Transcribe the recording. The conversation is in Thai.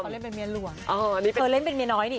เขาเล่นเป็นเมียหลวงเออเล่นเป็นเมียน้อยนี่